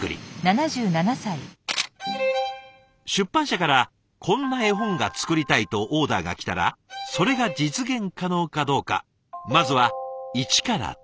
出版社からこんな絵本が作りたいとオーダーが来たらそれが実現可能かどうかまずは一から手作り。